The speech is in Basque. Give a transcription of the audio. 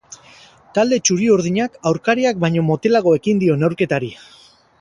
Talde txuri-urdinak aurkariak baino motelago ekin dio neurketari.